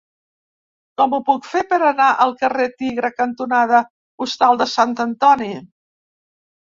Com ho puc fer per anar al carrer Tigre cantonada Hostal de Sant Antoni?